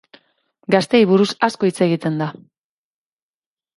Gazteei buruz asko hitz egiten da.